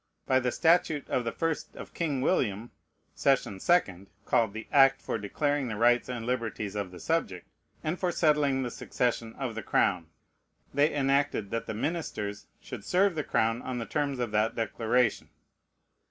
By the statute of the first of King William, sess. 2d, called "the act for declaring the rights and liberties of the subject, and for settling the succession of the crown," they enacted that the ministers should serve the crown on the terms of that declaration.